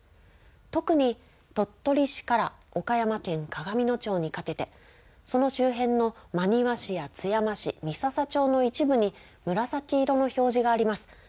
特に、鳥取市から岡山県鏡野町にかけて、その周辺の真庭市や津山市、三朝町の一部に、紫色の表示があります。